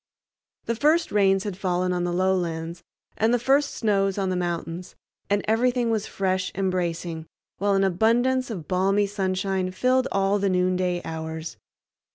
The first rains had fallen on the lowlands, and the first snows on the mountains, and everything was fresh and bracing, while an abundance of balmy sunshine filled all the noonday hours.